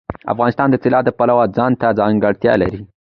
افغانستان د طلا د پلوه ځانته ځانګړتیا لري.